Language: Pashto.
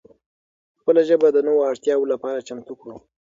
خپله ژبه د نوو اړتیاو لپاره چمتو کړو.